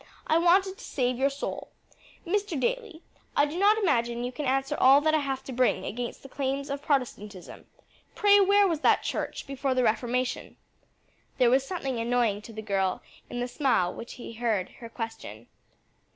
I wanted to save your soul. Mr. Daly, I do not imagine you can answer all that I have to bring against the claims of Protestantism. Pray where was that church before the Reformation?" There was something annoying to the girl in the smile with which he heard her question.